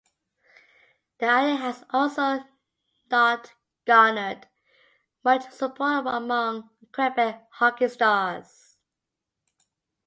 The idea has also not garnered much support among Quebec hockey stars.